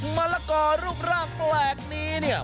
มะละกอรูปร่างแปลกนี้เนี่ย